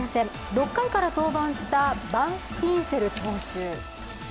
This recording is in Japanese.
６回から登板したバンスティーンセル投手。